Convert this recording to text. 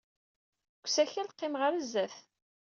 Deg usakal, qqimeɣ ɣer sdat.